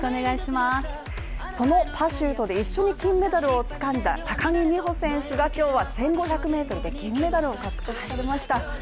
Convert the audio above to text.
そのパシュートで一緒に金メダルをつかんだ高木美帆選手が今日は１５００ｍで銀メダルを獲得されました。